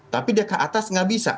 tapi dia ke atas nggak bisa